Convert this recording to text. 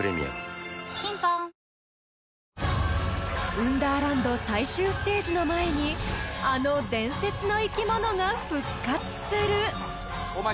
［運ダーランド最終ステージの前にあの伝説の生き物が復活する］